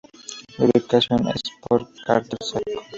La lubricación es por cárter seco.